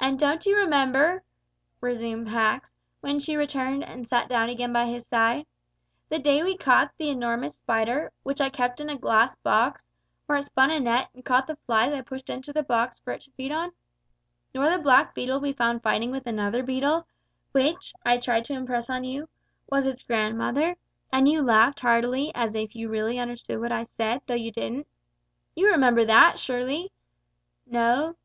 "And don't you remember," resumed Pax, when she returned and sat down again by his side, "the day when we caught the enormous spider, which I kept in a glass box, where it spun a net and caught the flies I pushed into the box for it to feed on? No? Nor the black beetle we found fighting with another beetle, which, I tried to impress on you, was its grandmother, and you laughed heartily as if you really understood what I said, though you didn't. You remember that, surely? No?